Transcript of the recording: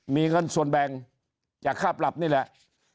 มีเงินส่วนแบ่งจากค่าปรับนี่แหละ